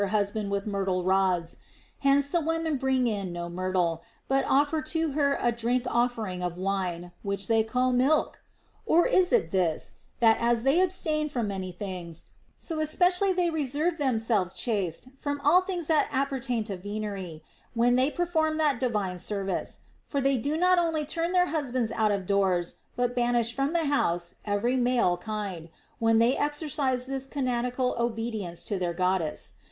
215 husband with myrtle rods ; hence the women bring in no myrtle, but offer to her a drink offering of wine, which they call milk? Or is it this, that, as they abstain from many things, so especially they reserve themselves chaste from all things that appertain to venery when they perform that divine sendee ; for they do not only turn their husbands out of doors but banish from the house every male kind, when they exercise this canonical obedience to their God dess.